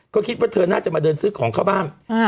ก็คิดว่าเธอน่าจะมาเดินซื้อของเข้าบ้าน